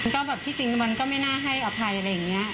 ก็แบบที่จริงมันก็ไม่น่าให้อภัยอะไรอย่างนี้